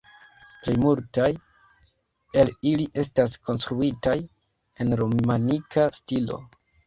Plej multaj el ili estas konstruitaj en romanika stilo.